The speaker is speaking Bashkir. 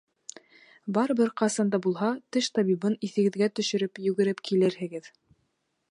Барыбер ҡасан да булһа теш табибын иҫегеҙгә төшөрөп, йүгереп килерһегеҙ.